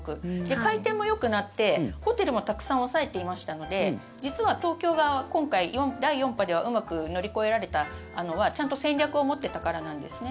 回転もよくなって、ホテルもたくさん抑えていましたので実は東京が今回、第４波ではうまく乗り越えられたのはちゃんと戦略を持っていたからなんですね。